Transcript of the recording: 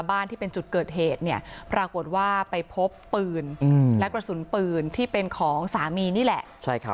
ที่เป็นจุดเกิดเหตุเนี่ยปรากฏว่าไปพบปืนและกระสุนปืนที่เป็นของสามีนี่แหละ